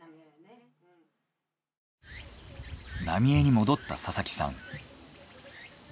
浪江に戻った佐々木さん。